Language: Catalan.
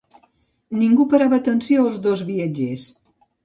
Ningú parava atenció als dos viatgers.